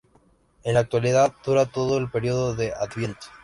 En la actualidad dura todo el periodo de Adviento.